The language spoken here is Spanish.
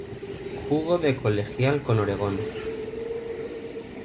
Jugo de colegial con Oregon.